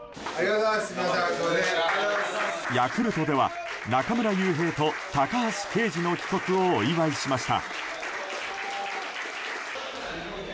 ヤクルトでは中村悠平と高橋奎二の帰国をお祝いしました。